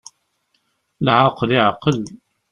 Lɛaqel iɛqel.